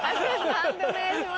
判定お願いします。